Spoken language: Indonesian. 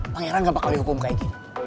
pangeran gak bakal dihukum kayak gini